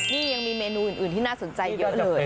นี่ยังมีเมนูอื่นที่น่าสนใจเยอะเลย